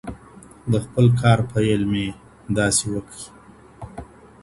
د خپل کار پيل مي داسي وکړ.